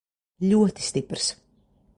Ļoti stiprs.